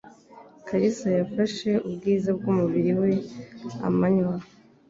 Kalisa yafashe ubwiza bwumubiri we amanywa